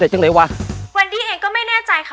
จังเลยวะวันนี้เองก็ไม่แน่ใจค่ะ